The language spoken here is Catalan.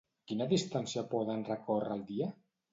Quina distància poden recórrer al dia?